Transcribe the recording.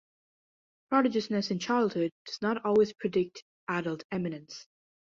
Prodigiousness in childhood does not always predict adult eminence.